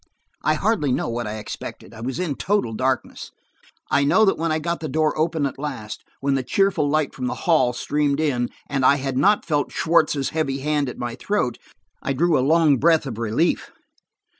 I hardly know what I expected. I was in total darkness. I know that when I got the door open at last, when the cheerful light from the hall streamed in, and I had not felt Schwartz's heavy hand at my throat, I drew a long breath of relief.